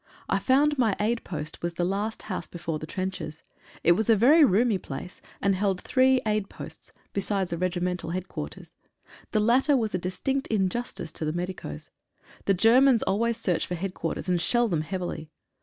I found my aid post was the last house before the trenches. It was a very roomy place, and held three aid posts besides a regimental headquarters. The latter was a distinct injustice to the medicos. The Ger m?ns always search for headquarters, and shell them heavily.